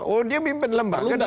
oh dia mimpin lembaga